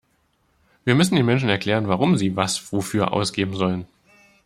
Wir müssen den Menschen erklären, warum sie was wofür ausgeben sollen.